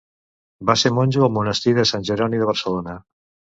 Va ser monjo al monestir de Sant Jeroni de Barcelona.